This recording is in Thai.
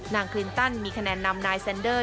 คลินตันมีคะแนนนำนายเซ็นเดอร์